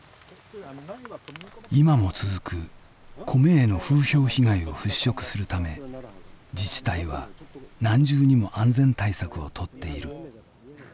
今も続く米への風評被害を払拭するため自治体は何重にも安全対策をとっている。